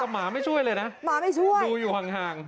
หมาไม่ช่วยเลยนะหมาไม่ช่วยดูอยู่ห่าง